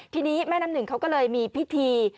ทีนี้แม่น้ำหนึ่งเขาก็เลยมีพิธี